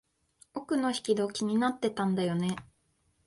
奥の引き戸、気になってたんだよね。